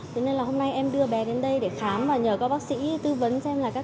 thế nên là hôm nay em đưa bé đến đây để khám và nhờ các bác sĩ tư vấn xem là các